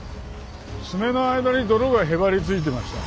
爪の間に泥がへばりついてました。